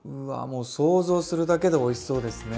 もう想像するだけでおいしそうですね！